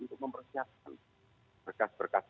untuk mempersiapkan berkas berkas